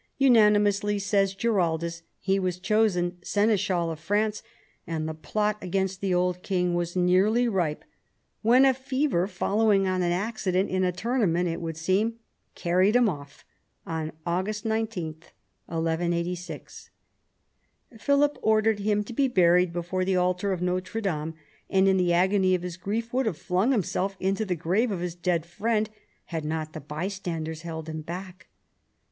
Unanimously, says Giraldus, he was chosen seneschal of France; and the plot against the old king was nearly ripe when a fever, following on an accident in a tournament, it would seem, carried him off on August 19, 1186. Philip ordered him to be buried before the altar of Notre Dame, and in the agony of his grief would have flung himself into the grave of his dead friend had not the bystanders held him back.